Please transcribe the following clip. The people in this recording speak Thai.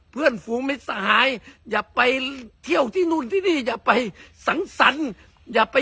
เพื่อนฝูงไม่สหายอย่าไปเที่ยวที่นู่นที่นี่อย่าไปสังสรรค์อย่าไป